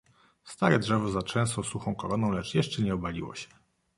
"Stare drzewo zatrzęsło suchą koroną, lecz jeszcze nie obaliło się."